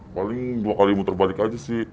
paling dua kali muter balik aja sih